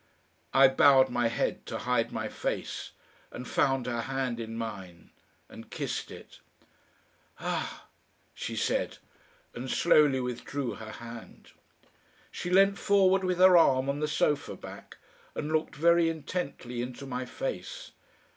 I bowed my head to hide my face, and found her hand in mine and kissed it. "Ah!" she said, and slowly withdrew her hand. She leant forward with her arm on the sofa back, and looked very intently into my face.